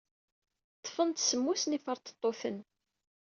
Ḍḍfen-d semmus n yiferṭeṭṭuten.